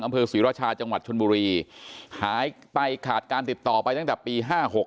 อำเภอศรีราชาจังหวัดชนบุรีหายไปขาดการติดต่อไปตั้งแต่ปี๕๖